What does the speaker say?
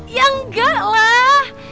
ya enggak lah